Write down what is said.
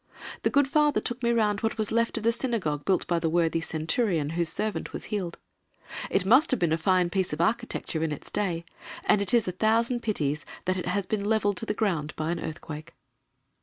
The good Father took me round what was left of the synagogue built by the worthy Centurion whose servant was healed. It must have been a fine piece of architecture in its day, and it is a thousand pities that it has been levelled to the ground by an earthquake.